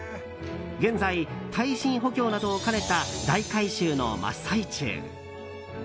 現在、耐震補強などを兼ねた大改修の真っ最中。